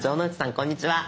こんにちは。